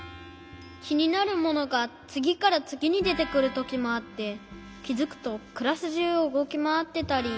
きになるものがつぎからつぎにでてくるときもあってきづくとクラスじゅうをうごきまわってたり。